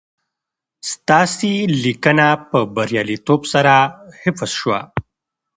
ستاسي لېنکه په برياليتوب سره حفظ شوه